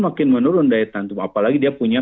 makin menurun daya tantum apalagi dia punya